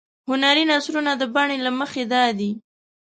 هنري نثرونه د بڼې له مخې دادي.